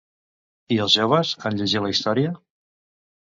I els joves en llegir la història?